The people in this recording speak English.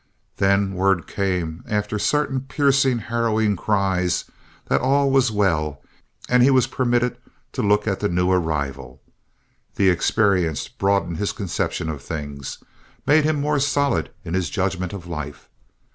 Then word came, after certain piercing, harrowing cries, that all was well, and he was permitted to look at the new arrival. The experience broadened his conception of things, made him more solid in his judgment of life.